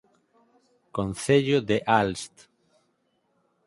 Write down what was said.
Concello de Aalst